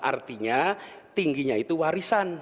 artinya tingginya itu warisan